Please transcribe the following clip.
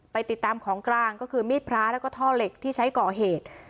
ไปติดตามของกลางก็คือมีดพระแล้วก็ท่อเหล็กที่ใช้ก่อเหตุ